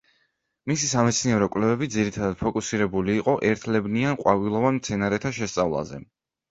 მისი სამეცნიერო კვლევები ძირითადად ფოკუსირებული იყო ერთლებნიან, ყვავილოვან მცენარეთა შესწავლაზე.